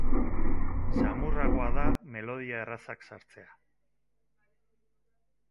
Samurragoa da melodia errazak sartzea.